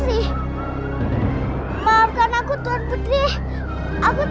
jangan lupa untuk berikan duit